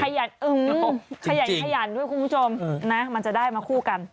ขยันขยันด้วยคุณผู้ชมนะมันจะได้มาคู่กัน